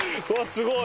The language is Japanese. すごい。